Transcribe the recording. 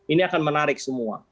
ini akan menarik semua